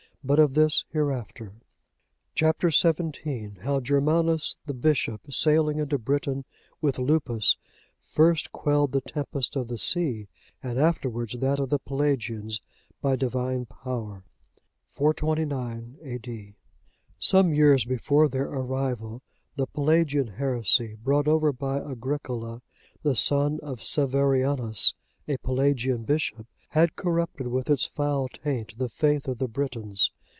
But of this hereafter. Chap. XVII. How Germanus the Bishop, sailing into Britain with Lupus, first quelled the tempest of the sea, and afterwards that of the Pelagians, by Divine power. [429 A.D.] Some few years before their arrival, the Pelagian heresy, brought over by Agricola, the son of Severianus,(92) a Pelagian bishop, had corrupted with its foul taint the faith of the Britons.